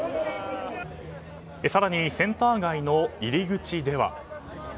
更に、センター街の入り口では。